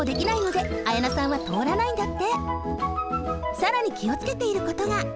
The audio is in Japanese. さらにきをつけていることが。